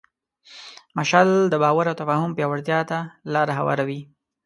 مشعل د باور او تفاهم پیاوړتیا ته لاره هواروي.